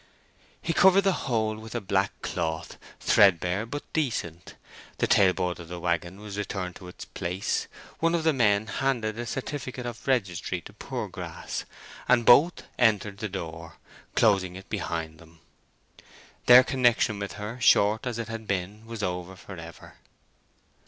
He covered the whole with a black cloth, threadbare, but decent, the tail board of the waggon was returned to its place, one of the men handed a certificate of registry to Poorgrass, and both entered the door, closing it behind them. Their connection with her, short as it had been, was over for ever.